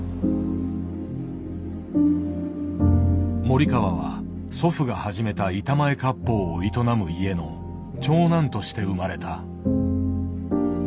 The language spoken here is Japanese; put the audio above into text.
森川は祖父が始めた板前割烹を営む家の長男として生まれた。